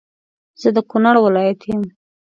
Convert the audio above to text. زه د کونړ ولایت يم